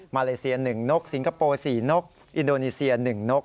เลเซีย๑นกสิงคโปร์๔นกอินโดนีเซีย๑นก